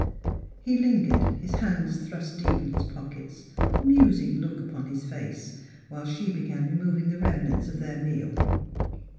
He lingered, his hands thrust deep in his pock i ets, a musing look upon his face; while she began removing the remnants of their meal.